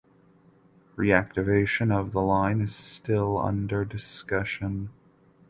Reactivation of the line is still under discussion.